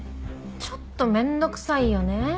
ちょっと面倒くさいよね。